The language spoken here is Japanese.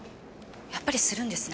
やっぱりするんですね。